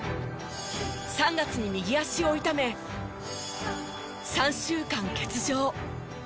３月に右足を痛め３週間欠場。